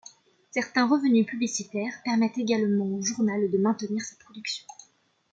Certains revenus publicitaires permettent également au journal de maintenir sa production.